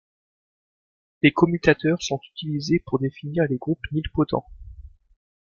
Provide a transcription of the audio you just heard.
Les commutateurs sont utilisés pour définir les groupes nilpotents.